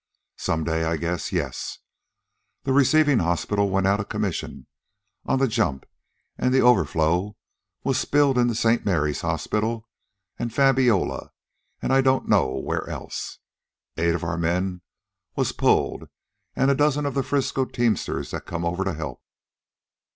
Some day? I guess yes. The receivin' hospital went outa commission on the jump, an' the overflow was spilled into St. Mary's Hospital, an' Fabiola, an' I don't know where else. Eight of our men was pulled, an' a dozen of the Frisco teamsters that's come over to help.